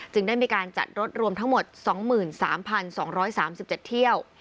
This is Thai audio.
ได้มีการจัดรถรวมทั้งหมด๒๓๒๓๗เที่ยว